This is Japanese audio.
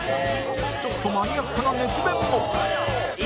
ちょっとマニアックな熱弁も